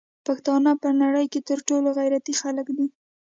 پښتانه په نړی کی تر ټولو غیرتی خلک دی